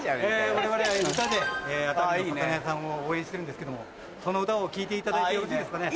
我々歌で熱海の魚屋さんを応援してるんですけどもその歌を聴いていただいてよろしいですかね？